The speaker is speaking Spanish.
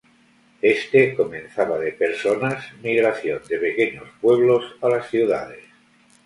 Este comenzaba de personas migración de pequeños pueblos a las ciudades.